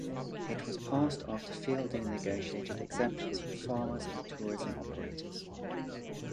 It was passed after Fielding negotiated exemptions for farmers and tourism operators.